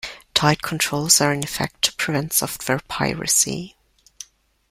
Tight controls are in effect to prevent software piracy.